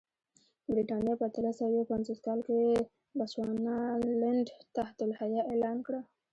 برېټانیا په اتلس سوه یو پنځوس کال کې بچوانالنډ تحت الحیه اعلان کړ.